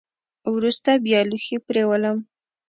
وروسته بیا لوښي پرېولم .